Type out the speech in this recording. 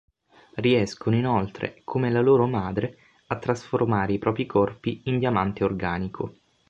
Riescono inoltre come la loro "madre" a trasformare i propri corpi in diamante organico.